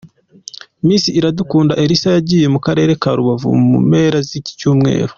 Miss Iradukunda Elsa yagiye mu Karere ka Rubavu mu mpera z’iki cyumweru.